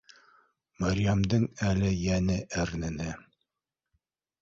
Мәрйәмдең әле йәне әрнене